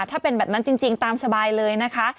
ถ้าเป็นแบบนั้นจริงตามสบายเลยนะคะ